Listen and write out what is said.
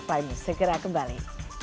prime news segera kembali